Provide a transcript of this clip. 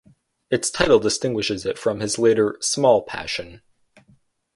Its title distinguishes it from his later Small Passion.